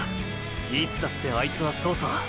いつだってあいつはそうさ！！